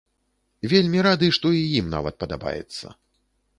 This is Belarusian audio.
Вельмі рады, што і ім нават падабаецца.